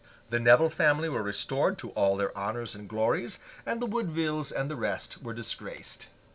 The Nevil family were restored to all their honours and glories, and the Woodvilles and the rest were disgraced.